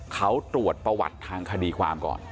เขาตรวจประวัติทางคดีความก่อน